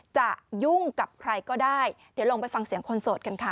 จะยุ่งกับใครก็ได้เดี๋ยวลองไปฟังเสียงคนโสดกันค่ะ